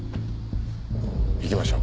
行きましょう。